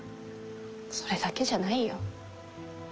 それだけじゃないよ。